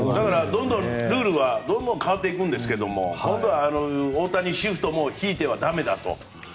どんどんルールは変わっていきますが大谷シフトも敷いてはだめだと。